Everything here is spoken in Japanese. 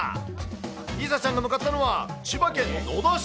梨紗ちゃんが向かったのは、千葉県野田市。